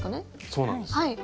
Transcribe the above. そうなんですよ。